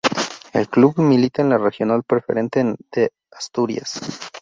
El club milita en la Regional Preferente de Asturias.